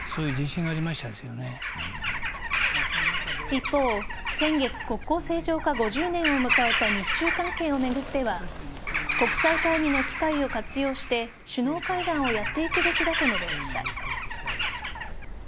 一方、先月国交正常化５０年を迎えた日中関係を巡っては国際会議の機会を活用して首脳会談をやっていくべきだと述べました。